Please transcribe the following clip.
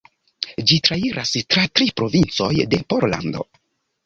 Ĝi trairas tra tri provincoj de Pollando.